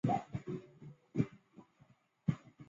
他们觉得德占波兰的问题是黑市贸易。